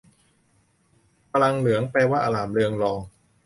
มลังเมลือง แปลว่า อร่ามเรืองรอง